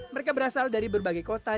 mereka berasal dari berbagai kota